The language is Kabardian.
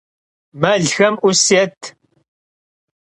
Melxem 'us yêt!